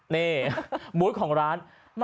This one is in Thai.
นี่มุมของร้าน